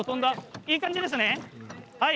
いい感じですね。